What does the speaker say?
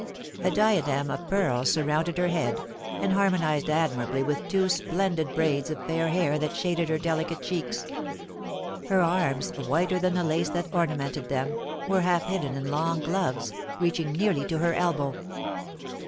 A diadem of pearls surrounded her head, and harmonised admirably with two splendid braids of fair hair that shaded her delicate cheeks. Her arms, whiter than the lace that ornamented them, were half hidden in long gloves, reaching nearly to her elbow.